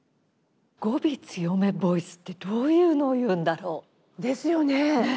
語尾強めボイスってどういうのをいうんだろう？ですよね！